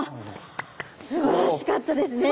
すばらしかったですね。